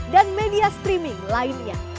dan media streaming lainnya